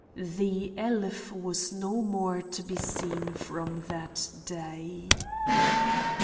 The elf was no more to be seen from that day.